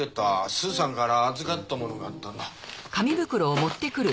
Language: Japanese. スーさんから預かったものがあったんだ。